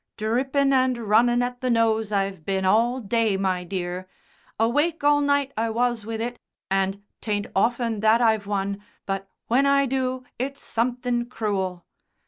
"Drippin' and runnin' at the nose I've been all day, my dear. Awake all night I was with it, and 'tain't often that I've one, but when I do it's somethin' cruel."